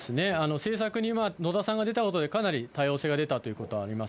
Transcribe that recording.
政策に野田さんが出たことでかなり多様性が出たということはあります。